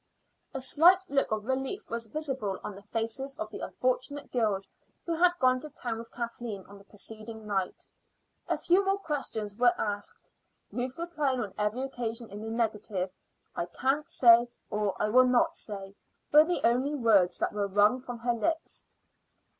A slight look of relief was visible on the faces of the unfortunate girls who had gone to town with Kathleen on the preceding night. A few more questions were asked, Ruth replying on every occasion in the negative. "I can't say," or "I will not say," were the only words that were wrung from her lips.